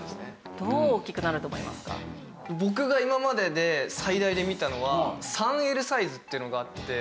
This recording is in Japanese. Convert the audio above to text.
僕が今までで最大で見たのは３Ｌサイズっていうのがあって。